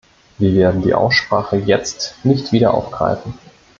Wir werden die Aussprache jetzt nicht wieder aufgreifen.